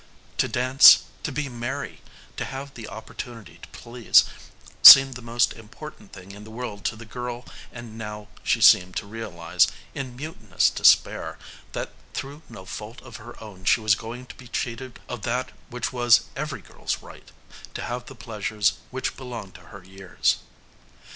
To dance, to be merry, to have the opportunity to please, seemed the most important thing in the world to the girl and now she seemed to realize, in mutinous despair, that through no fault of her own she was going to be cheated of that which was her right of that which was every girl's right to have the pleasures which belonged to her years.